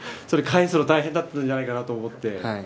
返すの大変だったんじゃないかなと思って。